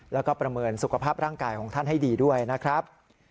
แล้วก็ประเมินสุขภาพร่างกายของท่านให้ดีด้วยนะครับ